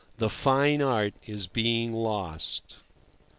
The fine art is being lost.